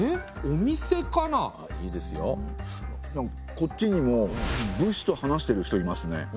こっちにも武士と話してる人いますね。